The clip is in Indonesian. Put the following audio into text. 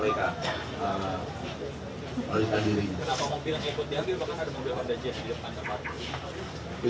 makanya ada mobil honda jazz di depan tempat